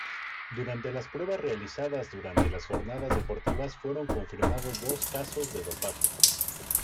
Durante las pruebas realizadas durante las jornadas deportivas fueron confirmados dos casos de dopaje.